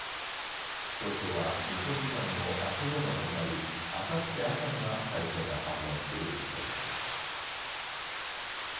投票は日本時間のあす午後始まり、あさって朝には大勢が判明する見通しです。